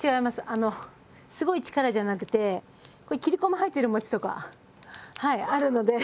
あのすごい力じゃなくてこれ切り込み入ってる餅とかはいあるので。